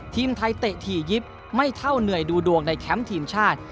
ทีมไทยเตะถี่ยิบไม่เท่าเหนื่อยดูดวงในแคมป์ทีมชาติ